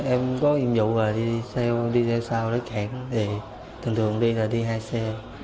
em có nhiệm vụ là đi xe sau đi xe sau đi kẹt thường thường đi là đi hai xe